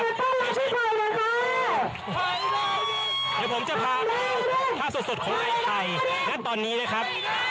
เดี๋ยวผมจะพาภาพสดสดของไอ้ภัยและตอนนี้นะครับ